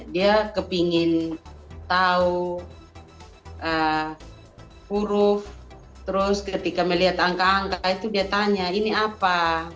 dia kepingin tahu huruf terus ketika melihat angka angka itu dia tanya ini apa